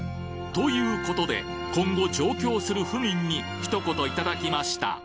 ということで、今後、上京する府民にひと言頂きました。